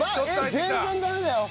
全然ダメだよ。